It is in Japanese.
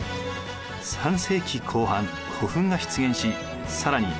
３世紀後半古墳が出現し更に